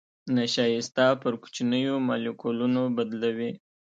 نشایسته پر کوچنيو مالیکولونو بدلوي.